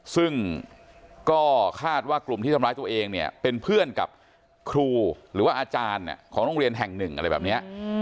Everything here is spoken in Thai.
ซึ่งก็คาดว่ากลุ่มที่ทำร้ายตัวเองเนี่ยเป็นเพื่อนกับครูหรือว่าอาจารย์ของโรงเรียนแห่งหนึ่งอะไรแบบนี้